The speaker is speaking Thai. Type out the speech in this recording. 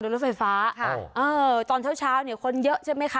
รถไฟฟ้าค่ะเออตอนเช้าเช้าเนี่ยคนเยอะใช่ไหมคะ